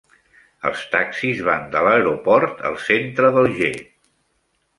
Els taxis van de l'aeroport al centre d'Alger.